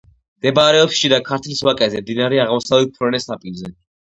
მდებარეობს შიდა ქართლის ვაკეზე, მდინარე აღმოსავლეთ ფრონეს ნაპირზე.